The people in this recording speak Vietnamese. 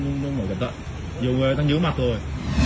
dù người ta nhớ mặt thôi